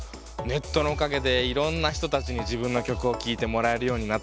ネットのおかげでいろんな人たちに自分の曲を聞いてもらえるようになったし。